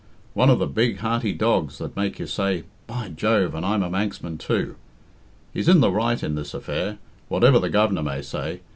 One of the big, hearty dogs that make you say, 'By Jove, and I'm a Manxman, too.' He's in the right in this affair, whatever the Governor may say.